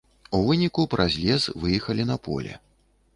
У выніку праз лес выехалі на поле.